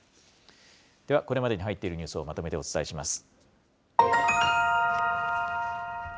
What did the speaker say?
ではこれまでに入っているニュースをまとめてお伝えします。